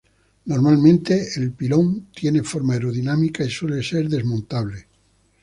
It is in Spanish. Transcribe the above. Normalmente el pilón tiene forma aerodinámica y suele ser desmontable.